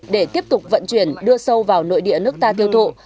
để tiếp tục vận chuyển đưa sâu vào nội địa nước ta tiêu thụ